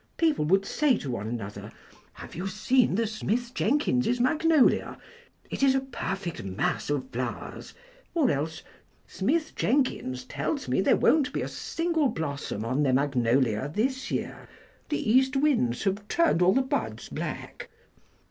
People would say to one another, 'Have you seen the Smith Jenkins' magnolia? It is a perfect mass of flowers,' or else 'Smith Jenkins tells me there won't be a single blossom on their magnolia this year; the east winds have turned all the buds black.